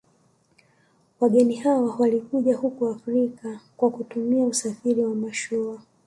Wageni hawa walikuja huku Afrika kwa kutumia usafiri wa mashua